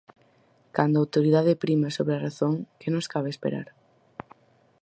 Cando a autoridade prima sobre a razón, que nos cabe esperar?